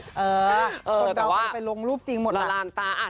คนเราไปลงรูปจริงหมดละ